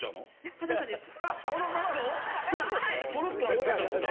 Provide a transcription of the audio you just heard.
裸です。